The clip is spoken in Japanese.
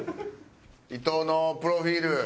伊藤のプロフィール。